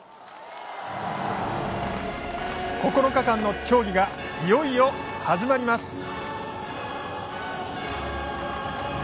９日間の競技がいよいよ始まります。